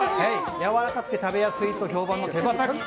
やわらかくて食べやすいと評判の手羽先。